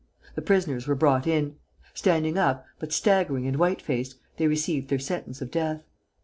The prisoners were brought in. Standing up, but staggering and white faced, they received their sentence of death.